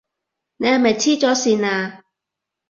你係咪痴咗線呀？